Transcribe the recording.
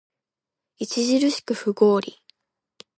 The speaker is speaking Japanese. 著しく不合理